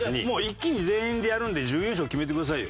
一気に全員でやるんで準優勝決めてくださいよ。